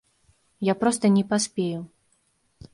Я проста не паспею.